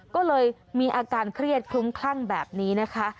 ก็เลยมีอาการเครียดคลุ้มคลั่งแบบนี้นะคะ